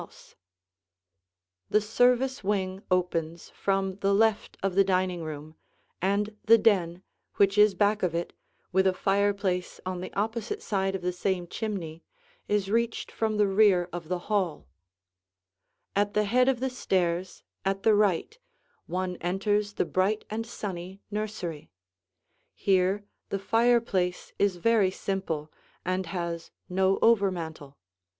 [Illustration: The Service Wing] The service wing opens from the left of the dining room, and the den, which is back of it, with a fireplace on the opposite side of the same chimney, is reached from the rear of the hall. [Illustration: The Nursery] At the head of the stairs at the right, one enters the bright and sunny nursery. Here the fireplace is very simple and has no over mantel.